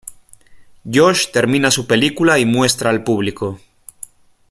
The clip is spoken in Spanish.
Josh termina su película y muestra al público.